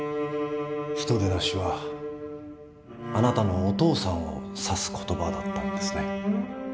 人でなしはあなたのお父さんを指す言葉だったんですね。